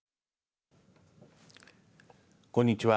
こんにちは。